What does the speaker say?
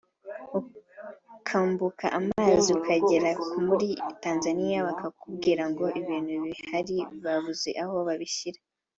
ukambuka amazi ukagera muri Tanzania bakakubwira ngo ibintu bihari babuze aho babishyira